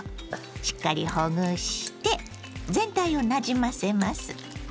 しっかりほぐして全体をなじませます。